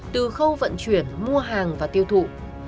từ khâu vận chuyển mua hàng và tiêu thụ